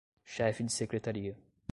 chefe de secretaria